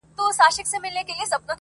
مُلا مي په زر ځله له احواله دی پوښتلی-